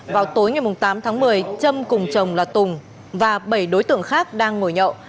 vào tối ngày tám tháng một mươi trâm cùng chồng là tùng và bảy đối tượng khác đang ngồi nhậu